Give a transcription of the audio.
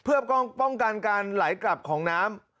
เพื่อป้องกันการไหลกลับของน้ำ